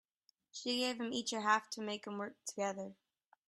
She gave them each a half to make them work together.